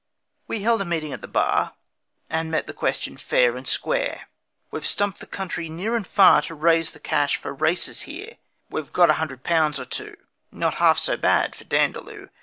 We held a meeting at the bar, And met the question fair and square 'We've stumped the country near and far To raise the cash for races here; We've got a hundred pounds or two Not half so bad for Dandaloo.